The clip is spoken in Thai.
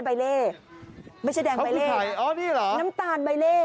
ใบเล่ไม่ใช่แดงใบเล่เหรอน้ำตาลใบเล่